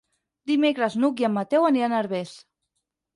Dimecres n'Hug i en Mateu aniran a Herbers.